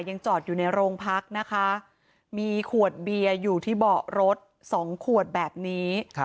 ยังจอดอยู่ในโรงพักนะคะมีขวดเบียร์อยู่ที่เบาะรถ๒ขวดแบบนี้